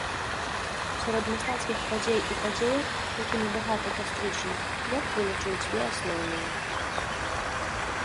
Сярод мастацкіх падзей і падзеек, якімі багаты кастрычнік, я б вылучыў дзве асноўныя.